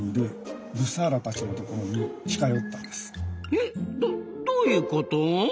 えどどういうこと？